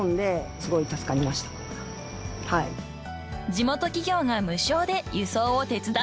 ［地元企業が無償で輸送を手伝うことも］